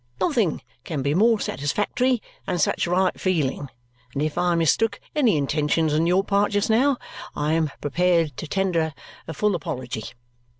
Nothing can be more satisfactory than such right feeling, and if I mistook any intentions on your part just now, I am prepared to tender a full apology.